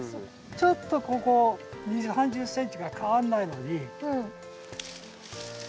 ちょっとここ２０３０ｃｍしか変わんないのに。